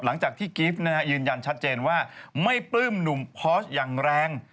หลังจากที่กิฟต์ยืนยันชัดเจนว่าไม่ปลื้มหนุ่มพอสอย่างแรง